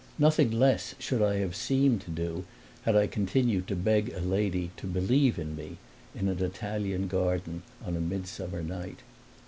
Nothing less should I have seemed to do had I continued to beg a lady to "believe in me" in an Italian garden on a midsummer night.